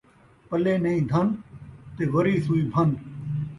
پلے نہیں دھن، تے وری سوئی بھن